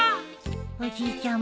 おじいちゃん